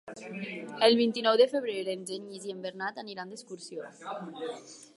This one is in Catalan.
El vint-i-nou de febrer en Genís i en Bernat aniran d'excursió.